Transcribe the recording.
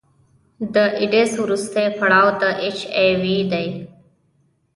د ایډز وروستی پړاو د اچ آی وي دی.